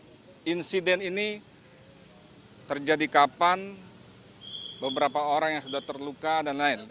dan insiden ini terjadi kapan beberapa orang yang sudah terluka dan lain lain